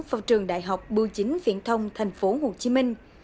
vào trường đại học bưu chính viện thông tp hcm